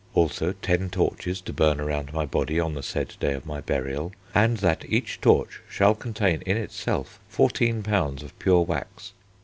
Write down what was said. Also 10 torches to burn around my body on the said day of my burial, and that each torch shall contain in itself 14 lbs. of pure wax....